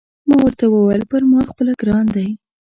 ما ورته وویل: پر ما خپله ګران دی.